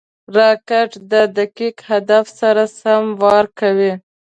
راکټ د دقیق هدف سره سم وار کوي